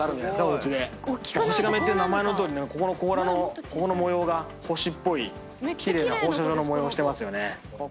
ホシガメっていう名前のとおり甲羅のここの模様が星っぽい奇麗な放射状の模様をしてますよね。